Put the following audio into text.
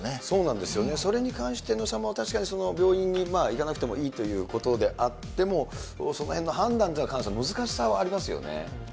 そうなんですよね、それに関して、確かに病院に行かなくてもいいということであっても、そのへんの判断っていうのは、萱野さん、難しさはありますよね。